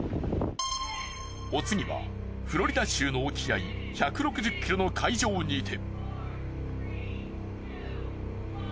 お次はフロリダ州の沖合１６０ｋｍの海上にて。